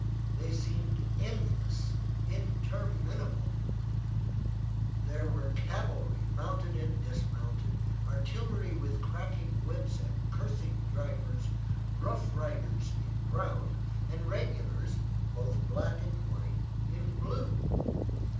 They seemed endless, interminable; there were cavalry mounted and dismounted, artillery with cracking whips and cursing drivers, Rough Riders in brown, and regulars, both black and white, in blue.